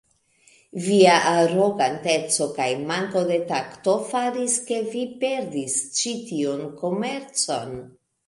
Via aroganteco kaj manko de takto faris, ke vi perdis ĉi tiun komercon.